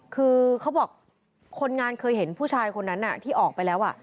คือเขาบอกคนงานเคยเห็นผู้ชายคนนั้นที่ออกไปแล้ว